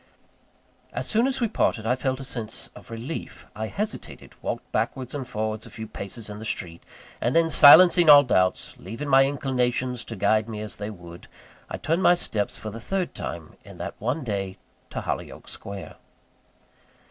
As soon as we parted I felt a sense of relief. I hesitated, walked backwards and forwards a few paces in the street; and then, silencing all doubts, leaving my inclinations to guide me as they would I turned my steps for the third time in that one day to Hollyoake Square.